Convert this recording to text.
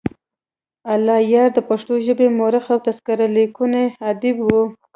الله یار دپښتو ژبې مؤرخ او تذکرې لیکونی ادیب وو.